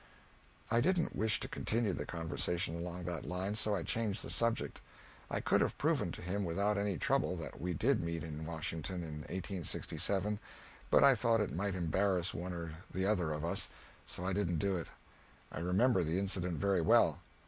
I didn't wish to continue the conversation along that line, so I changed the subject. I could have proven to him, without any trouble, that we did meet in Washington in 1867, but I thought it might embarrass one or the other of us, so I didn't do it. I remember the incident very well.